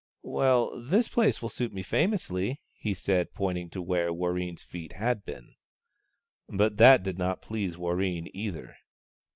" Well, this place will suit me famously," he said, pointing to where Warreen's feet had been. But that did not please Warreen either.